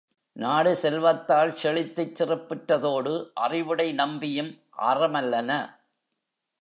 நாடு செல்வத்தால் செழித்துச் சிறப்புற்றதோடு, அறிவுடை நம்பியும், அறமல்லன.